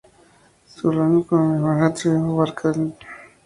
Su rango cronoestratigráfico abarca desde el Plioceno superior hasta la Actualidad.